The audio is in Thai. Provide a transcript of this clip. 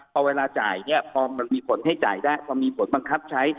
พอเวลาจ่ายเนี่ยพอมันมีผลให้จ่ายได้พอมีผลบังคับใช้